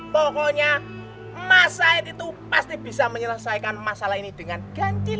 pokoknya mas said itu pasti bisa menyelesaikan masalah ini dengan ganjil